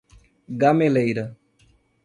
Gameleira